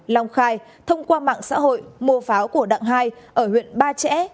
long khai thông qua mạng xã hội mua pháo của đặng hai ở huyện ba trẻ